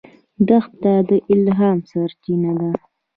دښته د الهام سرچینه ده.